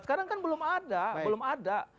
sekarang kan belum ada belum ada